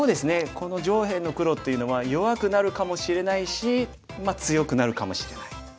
この上辺の黒というのは弱くなるかもしれないしまあ強くなるかもしれない。